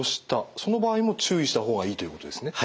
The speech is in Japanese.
その場合も注意した方がいいということですね。